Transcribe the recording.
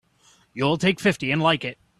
You'll take fifty and like it!